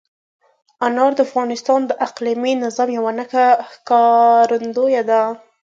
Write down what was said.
انار د افغانستان د اقلیمي نظام یوه ښه ښکارندوی ده.